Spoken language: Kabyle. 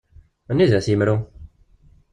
Anida-t yimru?